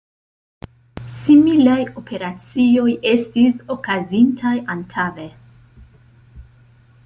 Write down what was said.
Similaj operacioj estis okazintaj antaŭe.